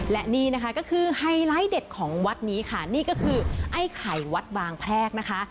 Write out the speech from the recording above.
และนี่นะคะก็คือไฮไลท์เด็ดของวัดนี้ค่ะนี่ก็คือไอ้ไข่วัดบางแพรกนะคะ